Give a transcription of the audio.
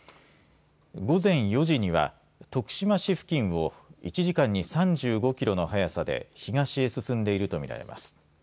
午前４時には徳島市付近を１時間に３５キロの速さで東へ進んでいるとみられます。